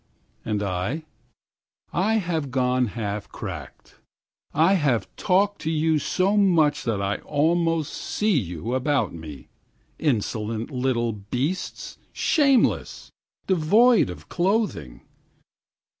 9And I? I have gone half cracked.10I have talked to you so much that I almost see you about me,11Insolent little beasts! Shameless! Devoid of clothing!